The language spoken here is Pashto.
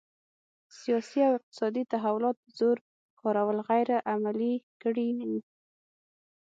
سیاسي او اقتصادي تحولات زور کارول غیر عملي کړي وو.